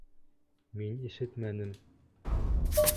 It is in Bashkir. Мин ишетмәнем.